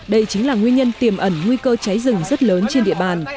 đây chính là nguyên nhân tiềm ẩn nguy cơ cháy rừng rất lớn trên địa bàn